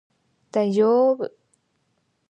大丈夫